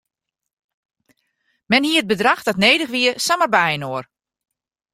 Men hie it bedrach dat nedich wie samar byinoar.